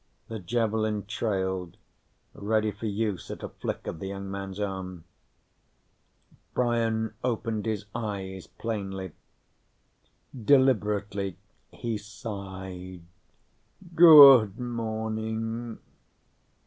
The javelin trailed, ready for use at a flick of the young man's arm. Brian opened his eyes plainly. Deliberately, he sighed. "Good morning."